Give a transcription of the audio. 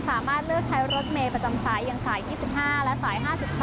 สามารถเลือกใช้รถเมย์ประจำสายอย่างสาย๒๕และสาย๕๓